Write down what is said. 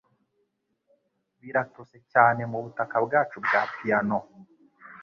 Biratose cyane mubutaka bwacu bwa piyano.